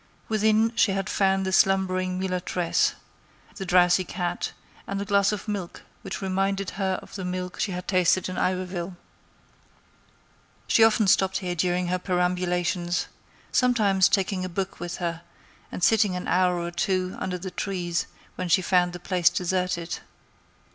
Within she had found the slumbering mulatresse, the drowsy cat, and a glass of milk which reminded her of the milk she had tasted in Iberville. She often stopped there during her perambulations; sometimes taking a book with her, and sitting an hour or two under the trees when she found the place deserted.